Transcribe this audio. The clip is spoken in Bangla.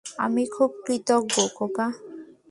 আমি খুবই কৃতজ্ঞ, খোকা।